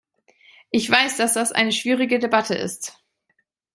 Ich weiß, dass das eine schwierige Debatte ist.